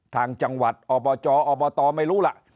ทางจังหวัดอบจอบตไม่รู้ล่ะ